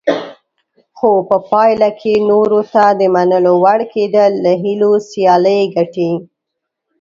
خو په پایله کې نورو ته د منلو وړ کېدل له هیلو سیالي ګټي.